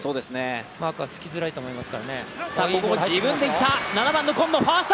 マークつきづらいと思います。